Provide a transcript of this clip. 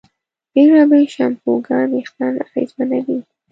بېلابېل شیمپوګان وېښتيان اغېزمنوي.